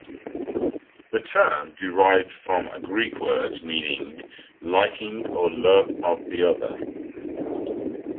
The term derived from Greek words meaning "liking or love of the other".